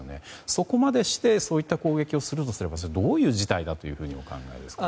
そこまでしてそういった攻撃をするとすればどういう事態だとお考えですか。